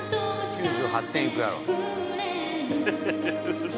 ９８点いくやろ。